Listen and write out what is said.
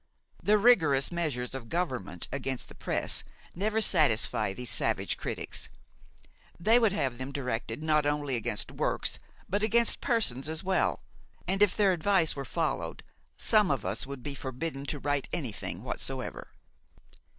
The rigorous measures of government against the press never satisfy these savage critics. They would have them directed not only against works but against persons as well, and, if their advice were followed, some of us would be forbidden to write anything whatsoever.